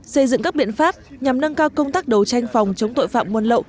xây dựng các biện pháp nhằm nâng cao công tác đấu tranh phòng chống tội phạm buôn lậu